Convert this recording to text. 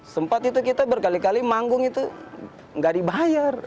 sempat itu kita berkali kali manggung itu nggak dibayar